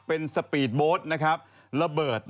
เป็นสใหพีส์โบช์นะครับ